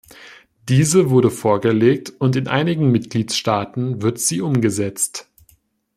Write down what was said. Diese wurde vorgelegt, und in einigen Mitgliedstaaten wird sie umgesetzt.